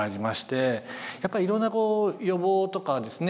やっぱりいろんなこう予防とかですね